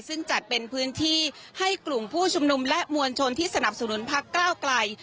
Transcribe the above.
ซึ่งจัดเป็นพื้นที่ให้กลุ่มผู้ชุมนุมและมวลชนที่สนับสนุนพักก้าวไกล